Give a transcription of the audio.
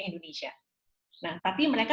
indonesia nah tapi mereka